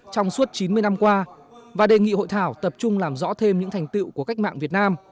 trong suốt chín mươi năm qua và đề nghị hội thảo tập trung làm rõ thêm những thành tựu của cách mạng việt nam